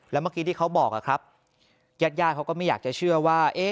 แล้วเมื่อกี้ที่เขาบอกครับญาติญาติเขาก็ไม่อยากจะเชื่อว่า